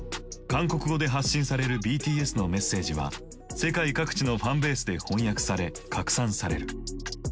韓国語で発信されるＢＴＳのメッセージは世界各地のファンベースで翻訳され拡散される。